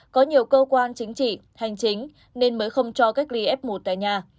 có nhiều cơ quan chính trị hành chính nên mới không cho cách ly f một tại nhà